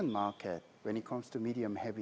saat berhubungan dengan truk berat sederhana